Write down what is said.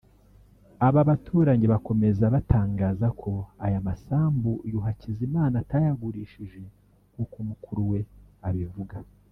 Aba baturanyi bakomeza batangaza ko aya masambu uyu Hakizimana atayagurishije nk’uko mukuru we abivuga